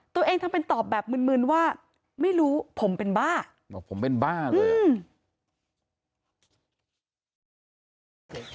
ตัวเองทำเป็นตอบแบบมืนมึนว่าไม่รู้ผมเป็นบ้าบอกผมเป็นบ้าเลยอืม